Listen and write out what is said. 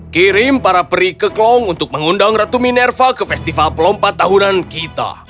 kau akan mengundang ratu minerva ke festival pelompat tahunan kita